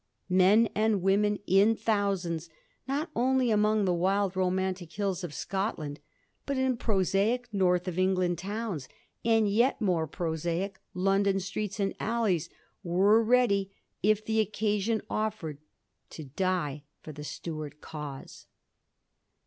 Men and women in thousands, not only among the wild romantic hills of Scotland, but in prosaic North of England towns, and yet more prosaic London streets and alleys, were ready, if the occa sion oflTered, to die for the Stuart cause.